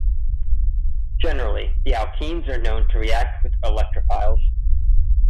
Generally, the alkenes are known to react with electrophiles.